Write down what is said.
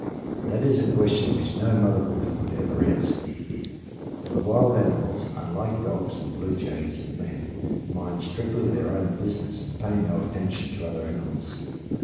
That is a question which no mother wolf could ever answer; for the wild animals, unlike dogs and blue jays and men, mind strictly their own business and pay no attention to other animals.